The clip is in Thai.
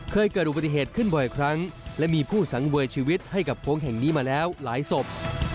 เคยเกิดอุบัติเหตุขึ้นบ่อยครั้งและมีผู้สังเวยชีวิตให้กับโค้งแห่งนี้มาแล้วหลายศพ